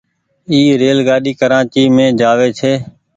اي ريل گآڏي ڪرآچي مين جآوي ڇي۔